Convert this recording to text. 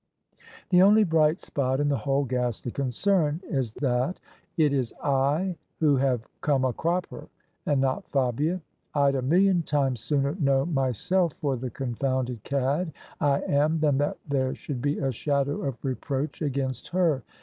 The only bright spot in the whole ghastly concern is that it is I who have come a cropper, and not Fabia. Td a million times sooner know myself for the confounded cad I am than that there should be a shadow of reproach against her.